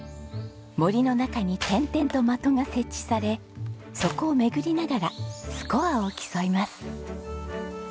森の中に点々と的が設置されそこを巡りながらスコアを競います。